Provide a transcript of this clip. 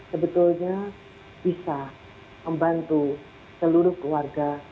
sebetulnya bisa membantu seluruh keluarga